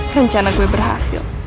rencana gue berhasil